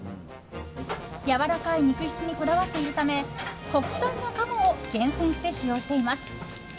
やわらかい肉質にこだわっているため国産の鴨を厳選して使用しています。